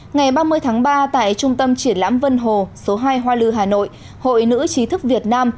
ngày ba mươi tháng ba tại trung tâm triển lãm vân hồ số hai hoa lư hà nội hội nữ chí thức việt nam